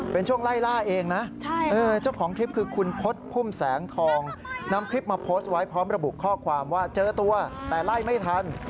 เป็นช่วงไล่ล่าเองนะเจ้าของคลิปคือคุณพจน์พุ่มแสงทองนำคลิปมาโพสต์ไว้พร้อมระบุข้อความว่าเจอตัวแต่ไล่ไม่ทัน